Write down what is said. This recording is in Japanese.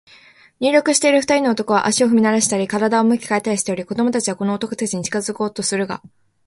入浴している二人の男は、足を踏みならしたり、身体を向き変えたりしており、子供たちはこの男たちに近づこうとするが、